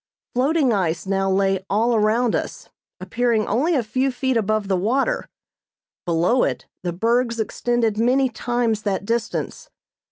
Floating ice now lay all around us, appearing only a few feet above the water; below it the bergs extended many times that distance.